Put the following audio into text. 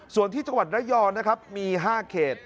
ส่วนที่จังหวัดน้อยอร์นะครับมีห้าเขต